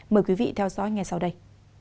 mời quý vị theo dõi nghe sau đây